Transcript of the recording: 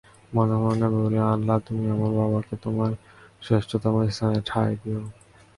মনে মনে বলি আল্লাহ তুমি আমার বাবাকে তোমার শ্রেষ্ঠতম স্থানে ঠাঁই দিয়ো।